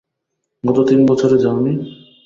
গত তিন বছরে যাও নি?